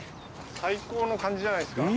最高の感じじゃないですか。